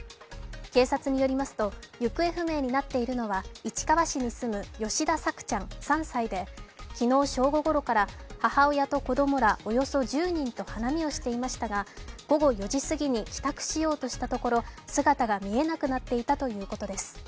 警察によりますと、行方不明になっているのは市川市に住む吉田朔ちゃん３歳で昨日正午ごろから母親と子供らおよそ１０人と花見をしていましたが午後４時過ぎに帰宅しようとしたところ姿が見えなくなっていたということです。